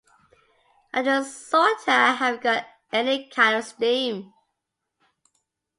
I just sorta haven't got any kind of steam.